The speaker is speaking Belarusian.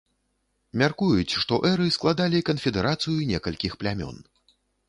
Мяркуюць, што эры складалі канфедэрацыю некалькіх плямён.